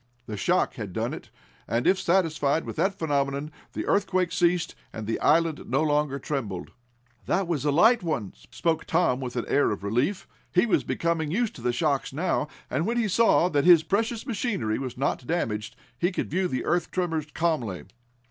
The shock had done it, and, as if satisfied with that phenomena, the earthquake ceased, and the island no longer trembled. "That was a light one," spoke Tom, with an air of relief. He was becoming used to the shocks now, and, when he saw that his precious machinery was not damaged he could view the earth tremors calmly.